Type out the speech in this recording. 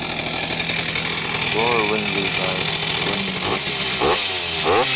Brora Rangers are the reigning champions.